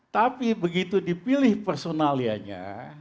tapi begitu dipilih personalianya